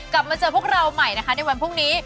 กลับมาเจอพวกเราใหม่นะคะในวันพรุ่งนี้